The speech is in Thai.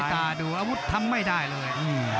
ตาดูอาวุธทำไม่ได้เลย